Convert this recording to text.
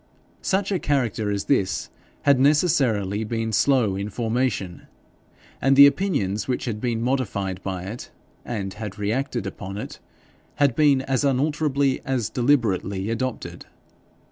Such a character as this had necessarily been slow in formation, and the opinions which had been modified by it and had reacted upon it, had been as unalterably as deliberately adopted.